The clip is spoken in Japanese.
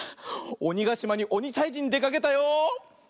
おにがしまにおにたいじにでかけたよ。